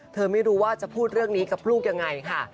ไม่รู้ว่าจะพูดเรื่องนี้กับลูกยังไงค่ะ